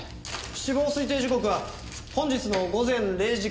死亡推定時刻は本日の午前０時から３時の間。